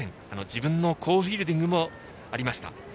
自分の好フィールディングもありました。